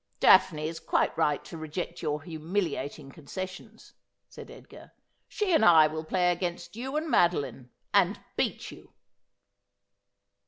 'Daphne is quite right to reject your.humiliating concessions,' said Edgar. ' She and I will play against you and Madoline, and beat you.'